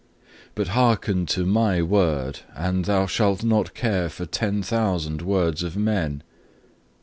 But hearken to My word, and thou shalt not care for ten thousand words of men.